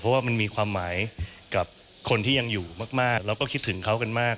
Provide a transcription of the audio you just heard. เพราะว่ามันมีความหมายกับคนที่ยังอยู่มากแล้วก็คิดถึงเขากันมาก